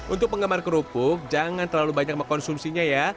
untuk penggemar kerupuk jangan terlalu banyak mengkonsumsinya ya